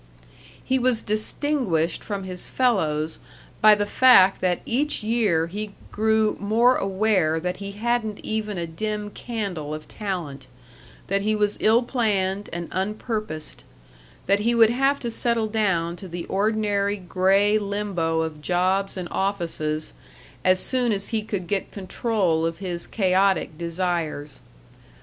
He was distinguished from his fellows by the fact that each year he grew more aware that he hadn't even a dim candle of talent; that he was ill planned and unpurposed; that he would have to settle down to the ordinary gray limbo of jobs and offices as soon as he could get control of his chaotic desires.